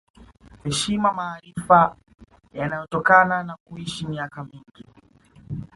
Heshima maarifa yanayotokana na kuishi miaka mingi